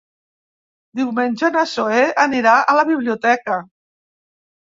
Diumenge na Zoè anirà a la biblioteca.